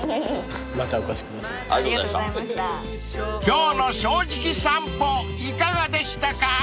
［今日の『正直さんぽ』いかがでしたか？］